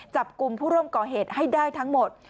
จับกลุ่มผู้ร่วมก่อเหตุให้ได้ทั้งหมด